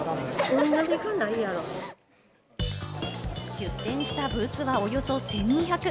出展したブースはおよそ１２００。